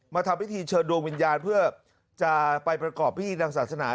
ทำพิธีเชิญดวงวิญญาณเพื่อจะไปประกอบพิธีทางศาสนา